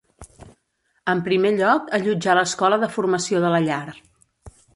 En primer lloc, allotjà l'Escola de Formació de la Llar.